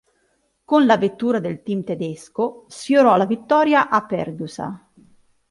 Con la vettura del team tedesco sfiorò la vittoria a Pergusa.